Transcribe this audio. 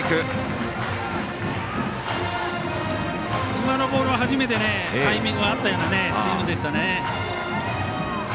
今のボールは初めてタイミングがあったようなスイングでしたね。